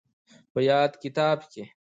په ياد کتاب کې